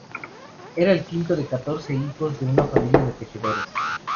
Era el quinto de catorce hijos de una familia de tejedores.